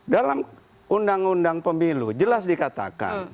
dalam undang undang pemilu jelas dikatakan